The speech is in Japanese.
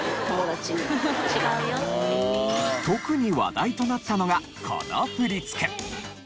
特に話題となったのがこの振り付け。